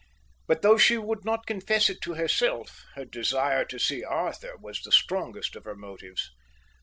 But though she would not confess it to herself, her desire to see Arthur was the strongest of her motives.